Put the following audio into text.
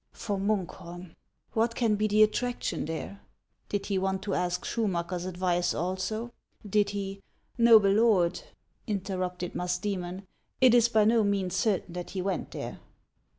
For Munkholm ! What can be the attraction there ? Did he want to ask Selmtnacker's advice also ? Did he —"" Xoble lord," interrupted Musdoeinon, " it is by no means certain that he went there."